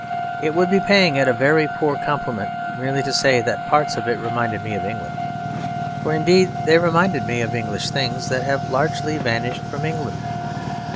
It would be paying it a very poor compliment merely to say that parts of it reminded me of England; for indeed they reminded me of English things that have largely vanished from England.